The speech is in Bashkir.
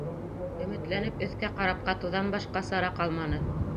Өмөтләнеп өҫкә ҡарап ҡатыуҙан башҡа сара ҡалманы.